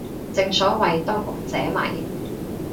正所謂當局者迷